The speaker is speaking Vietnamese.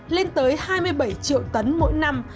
lên tới hai mươi bảy triệu tấn mỗi năm